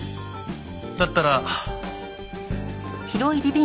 だったら。